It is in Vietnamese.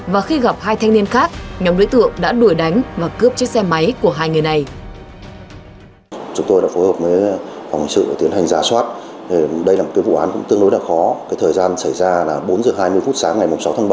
và khi gặp hai thanh niên khác nhóm đối tượng đã đuổi đánh và cướp chiếc xe máy của hai người này